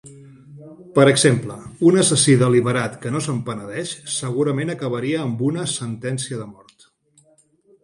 Per exemple, un assassí deliberat que no se'n penedeix segurament acabaria amb una sentència de mort.